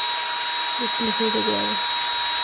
Desplazó de grava.